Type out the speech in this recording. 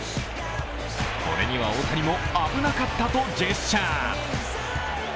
これには大谷も危なかったとジェスチャー。